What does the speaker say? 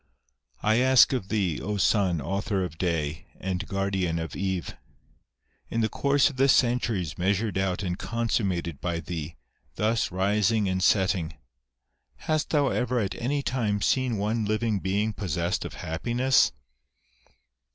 " I ask of thee, Sun, author of day, and guardian of eve ; in the course of the centuries measured out and consummated by thee, thus rising and setting, hast thou ever at any time seen one living being possessed of happiness